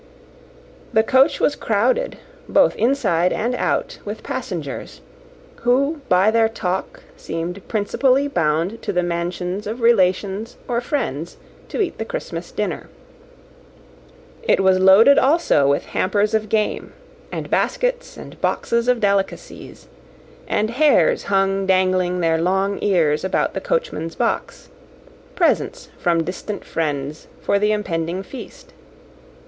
The coach was crowded, both inside and out, with passengers, who, by their talk, seemed principally bound to the mansions of relations or friends to eat the Christmas dinner. It was loaded also with hampers of game, and baskets and boxes of delicacies; and hares hung dangling their long ears about the coachman's box, presents from distant friends for the impending feast.